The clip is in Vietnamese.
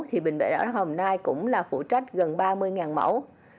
thì bệnh viện đa khoa đồng nai cũng là phụ trách gần ba mươi mẫu